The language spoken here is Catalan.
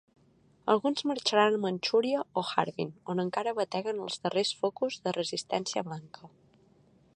Alguns marxaran a Manxúria o Harbin on encara bateguen els darrers focus de resistència blanca.